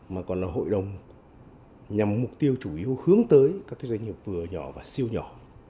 mà còn là hội đồng nhằm mục tiêu chủ yếu hướng tới các doanh nghiệp vừa nhỏ và siêu nhỏ